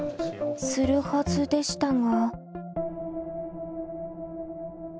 するはずでしたが。